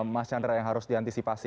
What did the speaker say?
mas chandra yang harus diantisipasi